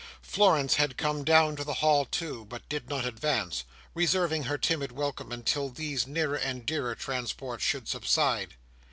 Florence had come down to the hall too, but did not advance: reserving her timid welcome until these nearer and dearer transports should subside.